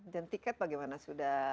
dan tiket bagaimana sudah